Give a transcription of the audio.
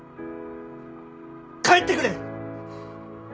帰ってくれ！